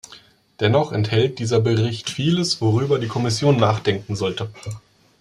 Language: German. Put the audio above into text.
Dennoch enthält dieser Bericht vieles, worüber die Kommission nachdenken sollte.